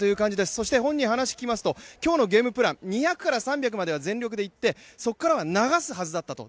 そして本人、話聞きますと今日のゲームプラン２００から３００までは全力でいって残りは流したかったと。